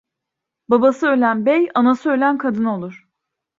Babası ölen bey, anası ölen kadın olur.